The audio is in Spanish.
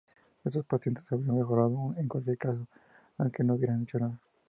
Estos pacientes habrían mejorado en cualquier caso, aunque no se hubiera hecho nada.